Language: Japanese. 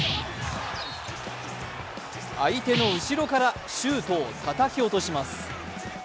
相手の後ろからシュートをたたき落とします。